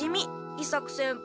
伊作先輩